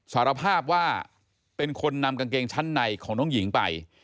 สารภาพว่าเป็นคนนำกางเกงชั้นในของน้องหญิงไป